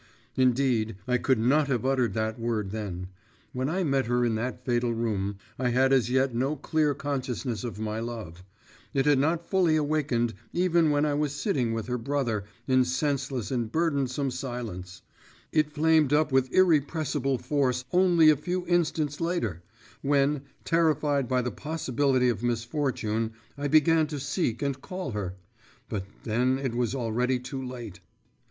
… Indeed, I could not have uttered that word then. When I met her in that fatal room, I had as yet no clear consciousness of my love; it had not fully awakened even when I was sitting with her brother in senseless and burdensome silence … it flamed up with irrepressible force only a few instants later, when, terrified by the possibility of misfortune, I began to seek and call her … but then it was already too late.